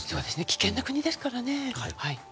危険な国ですからね。